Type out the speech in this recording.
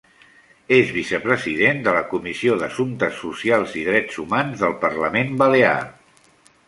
És vicepresident de la Comissió d'Assumptes Socials i Drets Humans del Parlament Balear.